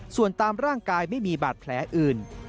ส่วนตามร่างกายไม่มีบาดแผลอื่น